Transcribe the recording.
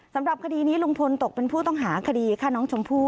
สำหรับคดีนี้ลุงพลตกเป็นผู้ต้องหาคดีฆ่าน้องชมพู่